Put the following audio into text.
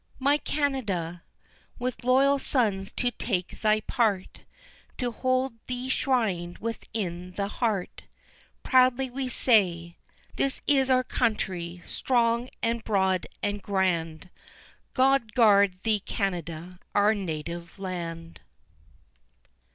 My Canada! With loyal sons to take thy part, To hold thee shrined within the heart, Proudly we say, "This is our country, strong, and broad, and grand, "God guard thee Canada, our native land!